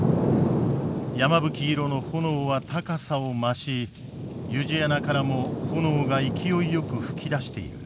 山吹色の炎は高さを増し湯路穴からも炎が勢いよく噴き出している。